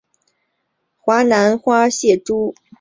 华南花蟹蛛为蟹蛛科花蟹蛛属的动物。